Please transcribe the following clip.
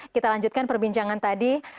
kita lanjutkan perbincangan tadi